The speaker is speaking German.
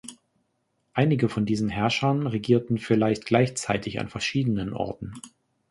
Einige von diesen Herrschern regierten vielleicht gleichzeitig an verschiedenen Orten.